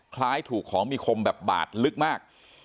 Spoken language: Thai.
คล้ายถูกของมีคมแบบบาดลึกมาก